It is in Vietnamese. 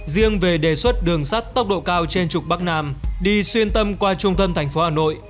riêng về đề xuất đường sắt tốc độ cao trên trục bắc nam đi xuyên tâm qua trung tâm thành phố hà nội